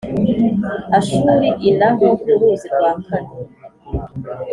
Ashuri i Naho k uruzi rwa kane